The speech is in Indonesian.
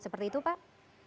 seperti itu pak